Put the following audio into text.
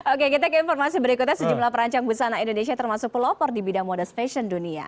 oke kita ke informasi berikutnya sejumlah perancang busana indonesia termasuk pelopor di bidang modest fashion dunia